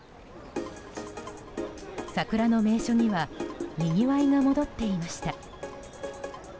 桜の名所にはにぎわいが戻っていました。